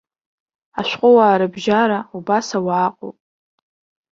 Ашәҟәыуаа рыбжьара убас ауаа ыҟоуп.